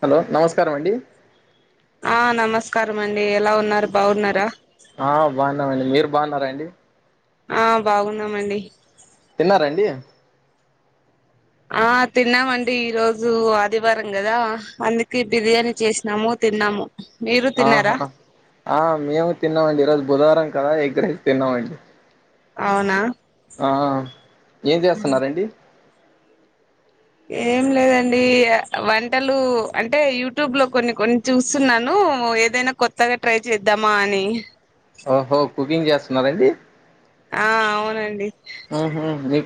Hello నమస్ నమస్కారం అండి ఆ నమస్కారం అండి ఎలా ఉన్నారు బాగున్నారా ఆ బాన్నామండి మీరు బాగున్నారాండి ఆ బాగున్నాము అండి తిన్నారండి ఆ తిన్నామండి ఈ రోజు ఆదివారం కదా అందుకే బిర్యానీ చేసినాము తిన్నాము మీరు ఆహా తిన్నారా ఆ మేము తిన్నామండి ఈరోోజు బుధవారం తర్వాత ఎగ్ రైస్ తిన్నామండి అవునా ఆ ఏం చేస్తున్నారండి ఏం లేదండి వంటలు అంటే యూట్యూబ్ లో కొన్ని కొన్ని చూస్తున్నాను ఏదైనా కొత్తగా ట్రై చేద్దామా అని ఓహో కుకింగ్ చేస్తున్నారండి ఆ అవునండి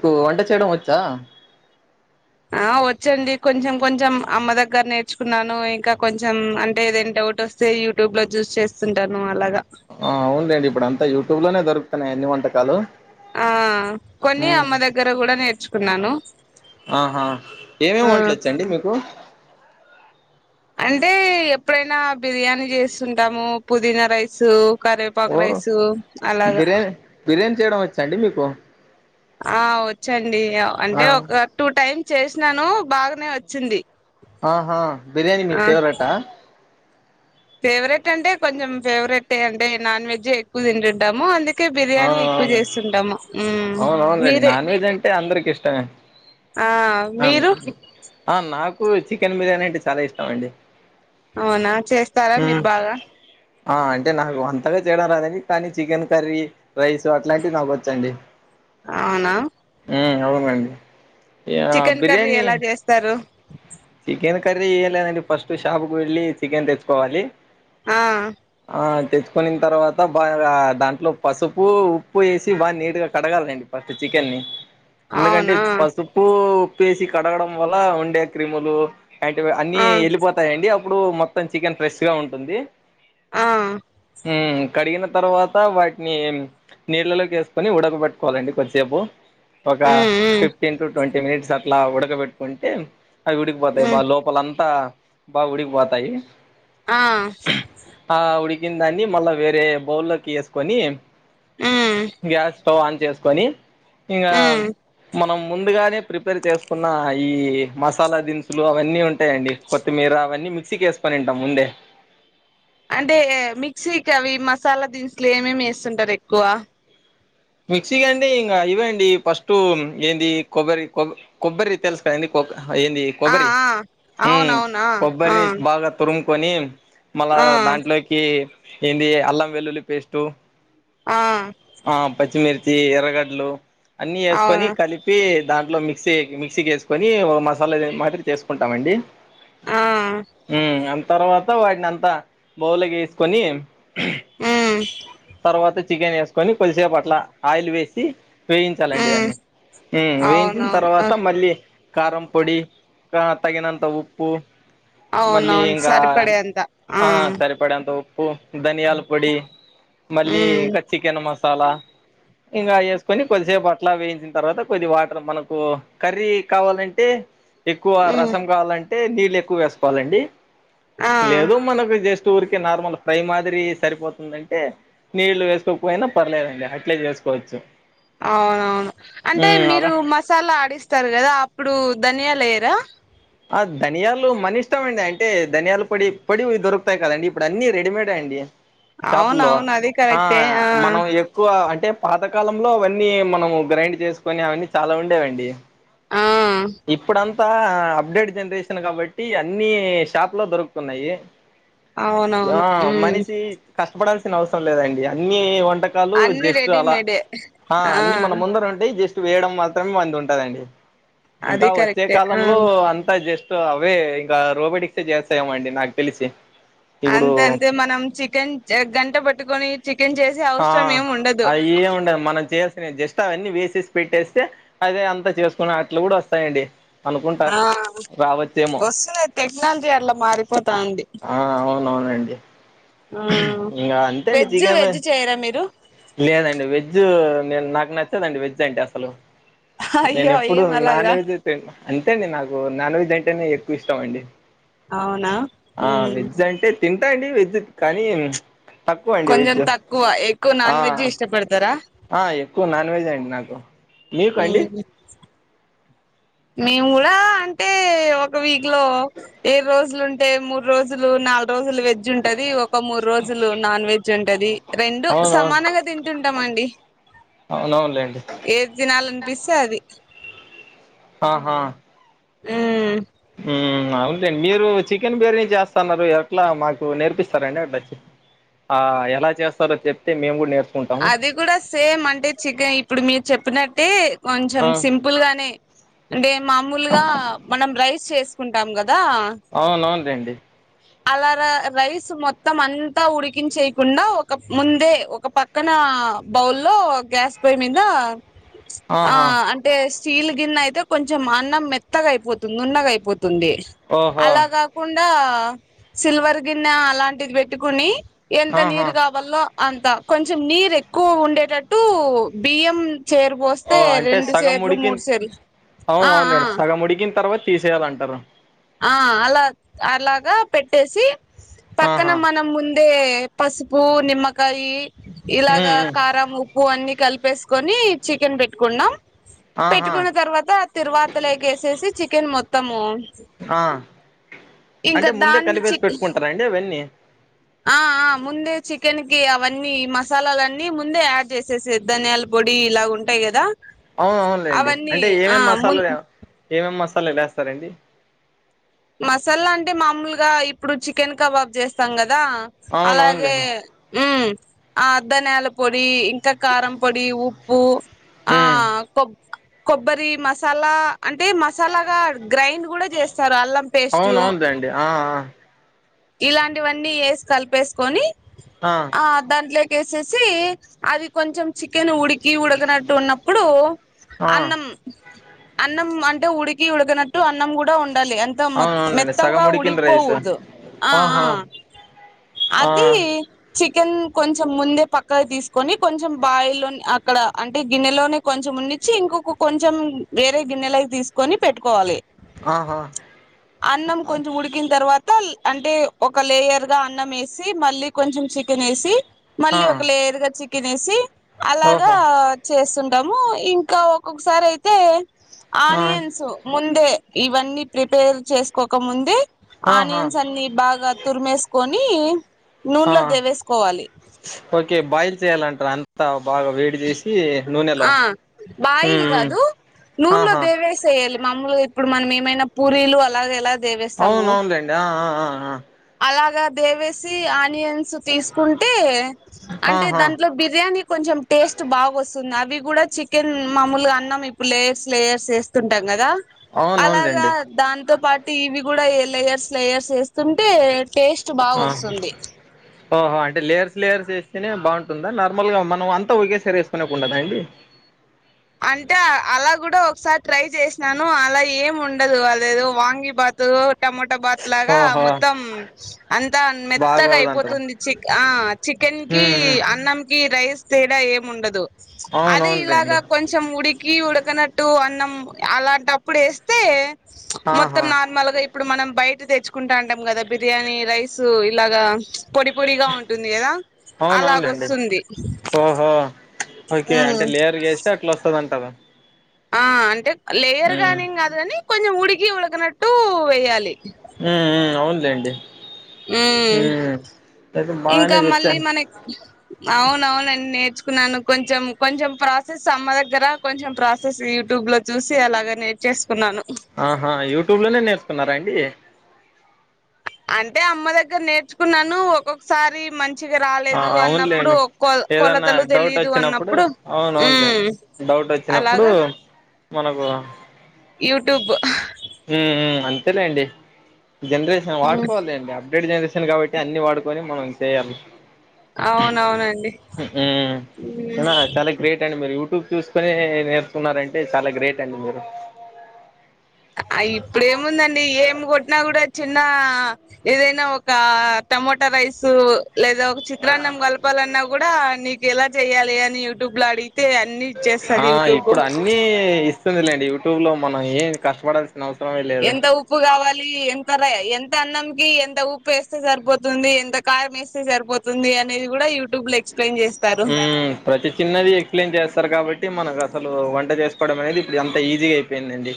ఓ వంట చేయడం వచ్చా ఆ వచ్చండి కొంచెం కొంచెం అమ్మ దగ్గర నేర్చుకున్నాను ఇంకా కొంచెం అంటే ఏదైనా డౌట్ వస్తే యూట్యూబ్ లో చూసి చేస్తుంటాను అలాగే ఆ అవునులేండి ఇప్పుడు అంతా యూ టూలోనే దొరుకుతున్నాయి అన్ని వంటకాలు ఆ కొన్ని ఉమ్ అమ్మ దగ్గర కూడా నేర్చుకున్నాను ఆహా ఆ ఏమేమి వంటలు అన్ వచ్చండి మీకు అంటే ఎప్పుడైనా బిర్యానీ చేస్తుంటాము పుదీనా రైసు కరవేపాక్ ఓ రైసు అలాగా బిర్యానీ బిర్యానీ చేయడం వచ్చాండి మీకు ఆ వచు అం డి ఆ అంటే ఒక టూ టైమ్ చేసినాను బాగనే వచ్చింది ఆహా బిర్యానీ మీ ఫేవరెట్ ఆ ఫేవరెట్ అంటే కొంచెం ఫేవరెట్టే అంటే నాన్ వెజ్జే ఎక్కువ తింటుంటము అందుక కే బిర్యానీ ఎక్కువ అవునవును చేస్తుంటాము మ్ అవునవునులేండి మీరే నాన్ వెజ్ అంటే అందరికి ఇష్టమే ఆ మీరు కు చికెన్ బిర్యానీ అంటే చాలా ఇష్టం అండి అవునా చేస్తారా హ్మ్. మీరు బాగా ఆ అంటే నాకు అంతగా చెయ్యడం రాదండి కానీ చికెన్ కర్రీ రైసు అట్లాంటివి నాకు వచ్చండి అవునా అవునండి యాహ్! చికెన్ కర్రీ బిర్యానీ ఎలా చేస్తారు అది ఏం లేదండి ఫస్ట్ షాపు కు వెళ్లి చికెన్ తెచ్చుకోవాలి ఆ ఆ తెచ్చుకొనిన తరవాత బా దాంట్లో పసుపు ఉప్పు ఏసి బా నీట్గా కడగాలండి ఫస్ట్ చికెన్ని ఎందుకంటే అవునా పసుపు ప్పేసి కడగడం వల్ల ఉండే క్రిములు యాంటివి అన్నీ ఆ ఎళ్ళిపోతాయండి ప్పుడు మొత్తం చికెన్ ఫ్రెష్ గా ఉంటుంది ఆ మ్ కడిగిన తర్వాత వాటి ట్ని నీళ్ళలోకేసుకొని ఉడకబట్టుకోవాలండి కొద్దిసేపు ఒక ఉమ్ ఉమ్ ఫిఫ్టీన్ టు ట్వంటీ మినిట్స్ లా ఉడకబెట్టుకుంటే అవి వుడికిపోతాయి బా ఉమ్ లోపలంతా బాగుడికి పోతాయి ఆ కినదాన్ని మళ్ళ వేరే బౌల్లోకి ఏస్ కోని ఉమ్ గ్యాస్ తో ఆన్ చేసుకొని ఇంకా ఉమ్ మనం ముందుగానే ప్రిపేర్ చేసుకున్న ఈ మసాలా దినుసులు అవన్నీ ఉంటాయండి కొత్తిమీర అవన్నీ మిక్సీకేస్కొనింటాం ముందే అంటే మిక్సీకి అవి మసాలా దిన్సులు ఏమేమి వేస్తుంటారు ఎక్కువ మిక్సీగా అండి ఇంకా ఇవండి ఫస్ట్ ఏంది కొబ్బరి కొబ్ కొబ్బరి తెలుసు కద ఏంది కొబ్బ ఏంది ఆ కొబ్బరి ఆ అవునవునా ఆ కొబ్బరిని బాగా తురుం కొనిం మళ్ళా ఆ దాంట్లోకి ఏంద అల్లం వెల్లుల్లి పేస్టు ఆ మిర్చి ఎర్రగడ్లు అన్ని వేసుకొని అవును కలిపి దా ఇంట్లో మిక్సీ మిక్సీ చేసుకొని మసాలా మాదిరి చేసుకుంటామ అండి ఆ తర్వాత వాటిని అంతా బౌలకి వేసుకొని ఉమ్ తర్వాత చికెన్ వేసుకని కొద్దిసేపు అట అట్లా ఆయిల్ వేసి వేయించాలండి ఉమ్ దాన్ని మ్ వేయించిన అవునవును ఆ తర్వాత మళ్ళీ కారం పొడి తగినంత ఉప్పు అవున మళ్ళీ అవును ఇంకా సరిపడ అంత ఆ ప ధనియాల పొడి మళ్ళీ ఉమ్ కచ్చికెను మాస్లా తాలా ఇంకా వేసుకొని కొద్దిసేపు అట్లా వేయించిన తర్వాత కొద్ది వాటర్ మనకు కర్రీ కావాలంటే ఎక్కువ ఉమ్ రసం కావాలంటే అంటే నీళ్ళు ఎక్కువ వేసుకోవాలండి ఆ లేదు మనకు జస్ట్ ఉరికె నార్మల్ ఫ్రై మాదిరి సరిపోతుందంటే నీళ్లు వేసుకోకపోయినా పర్లేదండి అ అట్లే చేసుకోవచ్చు అవునవును అంటే మ్మ్ అలా మీరు మసాలా ఆడిస్తారు కదా అప్పుడు ధనియా లేరా ఆ ధనియాలు మన ఇష్టంమండి అంటే ధనియాల పొడి పొడివి దొరుకుతాయి కదండి ఇప్పుడు అన్ని రెడీమేడే అండి షాపులో అవునవును అది ఆ కరెక్టే మనం ఎక్కువ అంటే పాతకాలంలో అవన్నీ మనము గ్రైండ్ చేసుకొని అవన్నీ చాలా ఉండేవండి ఆ ఇప్పుడం తా అప్డేట్ జనరేషన్ కాబట్టీ అన్నీ షాపులో దొరుకుతున్నాయి యా అవునవును ఉమ్ మనిసి కష్టపడాల్సి తినవసరం లేదండి అన్ని వన్ వంటకాలు అన్ని జస్టు అలా రెడీమేడే హా ఆ అన్నీ మన ముందర ఉంటయి జస్ త్ వేయడం మాత్రం వంద ఉంటదండి ఇంకా అది వచ్చే కరెక్టే ఆ కాలంలో అన్ జస్ట్ అవే ఇంకా రోబోటిక్ సే చేస్తా ఏమో అండి నాకు తెలిసి ఇప్పుడు అంతే అంతే మనం చికెన్ చే గంట పట్టుకొని చికెన్ చేసే ఆ అవసరం ఏమి ఉండదు అది ఏం ఉండ మనం చే జస్ట్ అవన్నీ వేసేసి పెట్టేస్తే అదే అంతా చేసుకునే అట్లు కూడా వస్తాయండి అనుకుంటా ఆ రావచ్చేమో వస్తుంది టెక్నాలజీ అట్లా మారిపోతా అండి ఆ అవునవునండి ఆ ఇంకా అంతే అండి వెజ్జు చికెన్ వెజ్ చేయరా మీరు లేదండి వెజ్జ్ నే నాకు నచ్చదండి వెజ్జ్ అంటే అసలు నేను అయ్యో ఎప్పుడు ఏం నాన్ అలాగా వెజ్ యే తింటా అంతే అండి నాకు నాన్ వెజ్ అంటేనే ఎక్కువ ఇష్టం అండి అవునా ఆ మ్మ్ వెజ్ అంటే తింటా అండి వెజ్ కానీ తక్కువ అండి కొంచెం వెజ్ తక్కువ ఎక్కువ ఆ నాన్ వెజ్ ఏ ఇష్టపడతారా ఆ ఎక్కువ నాన్ వెజ్ ఏ అండి నాకు మీకు అండి ఉమ్ మేము కూడా అంటే ఒక వీక్ లో ఏడు రోజులుంటే మూడు రోజులు నాలుగు రోజు ఫుల్ వెజ్ ఉంటది ఒక మూడు రోజులు నాన్ వెజ్ ఉంటది రెండు అవునవును సమానంగా తింటుంటె తింటమండి అవునవునులేండి ఏది తినాలనిపిస్తే అది ఆహా ఉమ్ మ్ అవ్న్లే మీరు చికెన్ బిర్యానీ చేస్తన్నారు ఎట్లా మాకు నేర్పిస్తారండి అట్లా ఆ ఎలా చేస్తారో చెప్తే మేము కూడా నేర్ అది కూడా సేమ్ అంటే చిగ ఇప్పుడు మీరు చెప్పినట్టే కొంచెం ఆ సింపుల్ గానే. అంటే మామూలుగా మనం రైస్ చేసుకుంటాం గా అవునవునులే అండి అలా రైస్ మొత్తం అంతా ఉడికించేయకుండా ఒక ముందే ఒక పక్కన బౌల్లో గ్యాస్ పొయ్యి మీద ఆ ఆహా అంటే చీలు గిన్నె అయితే కొంచెం అన్నం మెత్తగా అయిపోతుంది నున్నగా అయిపో తుంది ఓహో అలా కాకుండా ఆ సిల్వర్ గిన్నె అలాంటిది పెట్టుకుని ఎంత ఆహా నీరు కావాలో అంతా కొంచెం నీరు ఎక్కువ ఉండేటట్టు బియ్యం చేరు ఓ పోస్తే అంటే రెండు సగం సేర్లు మూడు ఉడికిన్ సేర్లు ఆ ఆ అవునవునులేండి సగం ఉడికిన తర్వాత తీసేయాలంటారు ఆ అలా అలాగా పెట్టేసి పక్కన ఆహా మనం ముందే పసుపు నిమ్మకాయ ఇలాగా మ్మ్ కారం ఉప్పు అన్నీ కల్ వేసుకొని చికెన్ పెట్టుకున్నాం ఆహా పెట్టుకున్న తర్వాత తిరువాతలోకేసేసి చి చికెన్ మొత్తము ఆ ఇంకా అంటే ముందే దాన్ని చి కలిపేసి పెట్టుకుంటారా అండి అవన్నీ ఆ ఆ ముందే చికెన్కి అవన్నీ మసాలాలన్నీ ముందే యాడ్ చేసేస ధనియాల పొడి ఇలాగ ఉంటాయి కదా అవు అవునులేండి అవన్నీ అంటే ఆ ఏమేం ము మసాలా లే ఏమేం మసాల [inaudible] లేస్తారండి మసాలా అంటే మామూలుగా ఇప్పుడు చికెన్ కబాబ్ చేస్తాం గదా కదా అవును అలాగే అవునులేండి ఆ ధనియాల పొడీ ఇంకా కారం పొడి ఉప్పూ ఆ ఉమ్ కొబ్ కొబ్బరి మసాలా అంటే మసాలాగా గ్రైండ్ గుడా చేస్తారు అల్లం పేస్టు అవునవునుదండి ఆ ఆ ఇలాంటివన్నీ ఏసి కలిపేస్కోని ఆ దాంట్లే ఏసేసి అది కొంచం చికెన్ ఉడికి ఉడకనట్టు ఉన్నప్పుడు ఆ అన్నం అన్నం అంటే ఉడికి ఉడకనట్టు అన్నం గూడా ఉండాలి త్త అవును అవునులేండి సగం మెత్తముగా ఉడికిన రైస్ ఉడికిపోకూడదు ఆ ఆ ఆహా ఆ అది చికెన్ కొంచం ముందే పక్కకు తీసుకొని కొంచం బాయిల్లోని అక్కడ అంటే గిన్నెలోనే కొంచం మున్నించి ఇంకొక కొంచం వేరే గిన్నెలకి తీసుకొని పెట్టుకోవాలి. ఆహా అన్నం కొంచం ఉడికిన్ తర్వాత త్తల్ అంటే ఒక లేయర్గా అన్నం ఏసి మళ్ళీ కొంచం చికెన్ ఏసి మళ్ళీ ఆ ఒక లేర్గా చిక్ తినేసి అలాగా ఓహో చేస్తుంట తము ఇంకా ఒక్కొక్కసారైయితే ఆ ఆనియన్సు ముందే ఇవన్నీ ప్రిపేర్ చేసుకోక ముందే ఆహా ఆనియన్స్ అన్ని బాగా తురిమేస్కొని నీ ఆ నూన్లో దేవేస్కోవాలి. ఓకే బాయిల్ చేయాలంటారు అంతా బాగా వేడి చేసి నూనెలో ఆ బాయిల్ ఉమ్ ఉమ్ కాదు నూన్లో ఆహా దేవేసెయ్యాలి మామూలుగా ఇప్పుడు మనం ఏమైనా పూరీలు అలాగ ఎలా దేవేస్తాము అవును అవునులేండి ఆ ఆ ఆ అలాగా దేవేసి ఆనియన్స్ తీసుకుంటే అంటే ఆహా దాంట్లో బిర్యానీ కొంచెం టేస్ట్ బాగోస్తు స్తుంది అవి కూడా చికెన్ మామూలుగా అన్నం ఇప్పుడు లేయర్స్ లేయర్స్ ఏస్ స్తుంటాం కదా అవును అలాగా అవునులేండి దాంతో పాట్ టీవీ కూడా ఏ లేయర్స్ లేయర్స్ ఏస్ అంటే టేస్ట్ ఆహా బాగొస్తుంది ఓహో అంటే లేయర్స్ లేయర్స్ వేస్తేనే బాగుంటుందా నార్మల్గా మనం అంతా ఒకేసారి వేసుకునేకుండదా అండి అంటే అలా కూడా ఒకసారి ట్రై చేసినాను అలా ఏమి ఉండదు అదేదో వాంగి బాతు టమోటా బాత్ లాగా ఓహో మొత్తం అంతా మెత్తగా బాగోదంటారు అయిపోతుంది చిక్ ఆ చికెన్ కి ఉమ్ ఉమ్ అన్నంకి రైస్ తేడా ఏం ఉండదు అదే అవునువును లెండి ఇలాగా కొంచెం ఉడికి ఉడకనట్టు అన్నం అలాంటప్పుడు ఏస్తే ఆహా మొత్తం నార్మల్ గా ఇప్పుడు మనం బయట ఫుడ్ తెచ్చుకుంటంటం అంటాం కదా బిర్యానీ రైస్ ఇలాగా పొడి పొడిగా ఉంటుంది కదా అవునవునులేండి అలాగొస్తుంది ఓహో ఓకే ఉమ్ అంటే లేయర్ గేస్తే అట్లోస్తదంటారు ఆ అంటే లేయర్ గా ఉమ్ అనేం కాదు కాని కొంచెం ఊడి ఉడికి ఉడకనట్టు వేయాలి మ్మ్ మ్మ్ అవును లేండి మ్మ్ అయితే ఇంకా బాగానే మళ్ళీ చూచ్చాను మనక్ అవునవున్ నేన్ నేర్చుకున్నాను కొంచెం కొంచెం ప్రాసెస్ అమ్మ దగ్గర కొంచెం ప్రాసెస్ యూట్యూబ్ లో చూసి అలాగ నేర్చేసుకున్నాను ఆహా యూట్యూబ్ లోనే నేర్స్ కున్నారండి అంటే అమ్మ దగ్గర నేర్చుకున్నాను ఒక్కొక్కసారి మంచ్ మంచిగా ఆ రాలేదు అన్నప్పుడు అవునులేండి కొల్ ఏదన్నా కొలతలు డౌట్ తెలియదు వచ్చినప్పుడు అన్నప్పుడు అవునవునులేండి మ్మ్ డౌట్ వచ్చినప్పుడు అలాగా మనకు యూట్యూబ్ ఉమ్ ఉమ్ అంతేలెండి జనరేషన్ వాడుకోవాలెండి అబ్ థర్డ్ జనరేషన్ కాబట్టి అన్ని వాడుకొని మనం చేయాలి అవునవునండి ఉహ్ ఉమ్ అవునా హ చాలా గ్రేట్ అండి మీరు యూట్ యూట్యూబ్ చూస్కొని యే నేర్సుకున్నారంటే చాలా గ్రేట్ అండి మీరు అ ఇప్పుడేముందండి ఏం కొట్టినా కూడా చిన్న ఆ ఏదైనా ఒక ఆ టమోటా రైసు లేదా ఒక చిత్రాన్నం కలపాలన్న గూడా నీకు ఎలా చెయ్యాలి అని యూట్యూబ్ లో అడిగ్ ఆ ఇప్పుడు అన్నీ ఇస్ ఇస్తుందిలెండి యూట్యూబ్ లో మనం ఏమి కష్టపడాల్సి ఎంత ఉప్పు గావాలి లి ఎంత రై ఎంత అన్నంకి ఎంత ఉప్పు వేస్తే సరిపోతుంది ఎంత కారమేస్తే సరిపోతుంది అనేది కూడా యూట్యూబ్ లేక్ ఉమ్ ప్రతి చిన్నది ఎక్సప్లయిన్ చేస్త్ సరు కాబట్టి మనకు అసలు వంట చేసుకోవడమనేది ఇప్పుడు ఎంత ఈజీ అయిపోయిందండి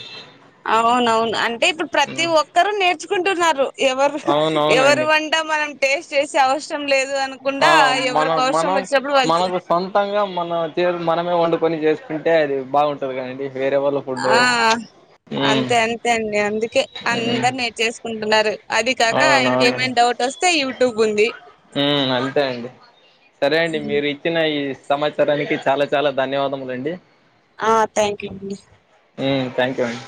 అవునవున్ అంటే ఇప్పుడు ప్రతి ఒక్కరు నేర్చుకుంటున్నారు. ఎవరు ఉహ్ ఎవరు అవునవునండి వంట మనం టేస్ట్ చేసే అవస్ సమ్ లేద్ ఆ మనం మనం వాళ్ళు మనకు సొంతంగా మనం చేర్ మనమే వండుకని చేసుకుంటే అది బాగుంటది కదండి వేరే వాళ్ళ ఫుడ్ ఆ ఉమ్ అంతే అంతే అండి అందుకే ఉమ్ అందర్ నేర్చేసుకుంటున్నారు అది కాక అవును అవును ఇంకేమైన్ డౌట్ వస్తే యూట్ టుబు ఉంది ఉమ్ అంతే అండి సరేనండి మీరు ఇచ్చిన ఈ సమాచారానికి చాలా చాలా ధన్యవాదములు లండి ఆ థ్యాంక్యూ అండి ఉమ్ థ్యాంక్యూ అండి